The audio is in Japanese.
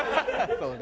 そうね。